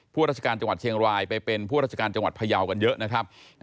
ราชการจังหวัดเชียงรายไปเป็นผู้ราชการจังหวัดพยาวกันเยอะนะครับ